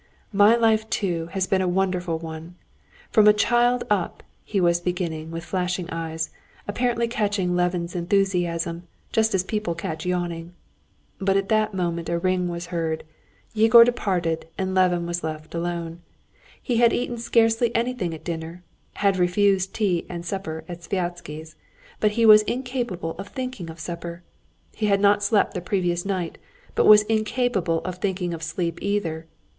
"My life, too, has been a wonderful one. From a child up...." he was beginning with flashing eyes, apparently catching Levin's enthusiasm, just as people catch yawning. But at that moment a ring was heard. Yegor departed, and Levin was left alone. He had eaten scarcely anything at dinner, had refused tea and supper at Sviazhsky's, but he was incapable of thinking of supper. He had not slept the previous night, but was incapable of thinking of sleep either.